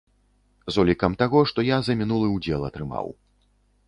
З улікам таго, што я за мінулы ўдзел атрымаў.